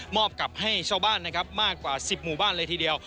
อบกับให้ชาวบ้านนะครับมากกว่า๑๐หมู่บ้านเลยทีเดียว